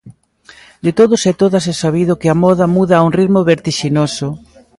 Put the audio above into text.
De todos e todas é sabido que a moda muda a un ritmo vertixinoso.